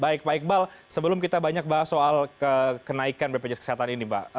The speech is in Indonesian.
baik pak iqbal sebelum kita banyak bahas soal kenaikan bpjs kesehatan ini mbak